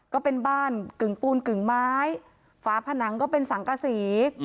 ก็เป็นบ้านกึ่งปูนกึ่งไม้ฝาผนังก็เป็นสังกษี